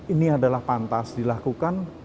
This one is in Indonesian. ini adalah pantas dilakukan